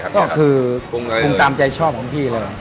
ก็คือวงอะไรอะไรคงตามใจชอบของพี่เลย